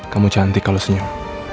kamu cantik kalau senyum